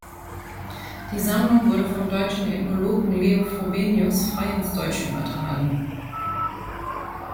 Die Sammlung wurde vom deutschen Ethnologen Leo Frobenius frei ins Deutsche übertragen.